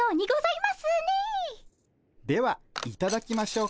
いただきます。